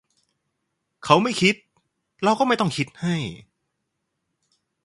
เขาไม่คิดเราก็ไม่ต้องคิดให้